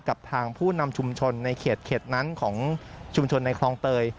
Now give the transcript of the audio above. กับทางผู้นำชุมชนในเขตนั้นของชุมชนในคลองเตย